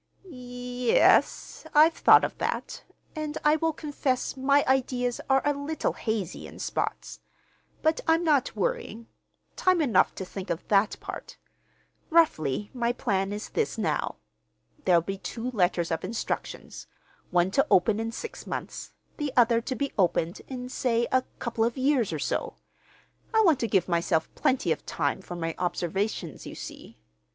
"Y yes, I've thought of that, and I will confess my ideas are a little hazy, in spots. But I'm not worrying. Time enough to think of that part. Roughly, my plan is this now. There'll be two letters of instructions: one to open in six months, the other to be opened in, say, a couple of years, or so. (I want to give myself plenty of time for my observations, you see.)